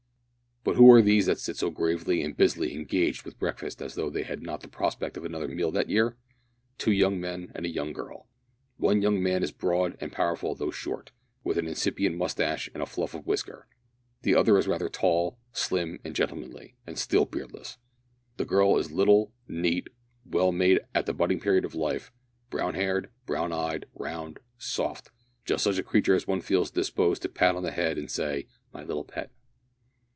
But who are these that sit so gravely and busily engaged with breakfast as though they had not the prospect of another meal that year? Two young men and a young girl. One young man is broad and powerful though short, with an incipient moustache and a fluff of whisker. The other is rather tall, slim, and gentlemanly, and still beardless. The girl is little, neat, well made, at the budding period of life, brown haired, brown eyed, round, soft just such a creature as one feels disposed to pat on the head and say, "My little pet!"